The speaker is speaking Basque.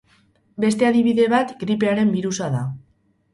Beste adibide bat gripearen birusa da.